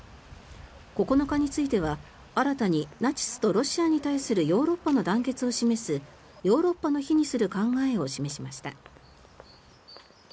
９日については新たにナチスとロシアに対するヨーロッパの団結を示すヨーロッパの日にする考えを示しました。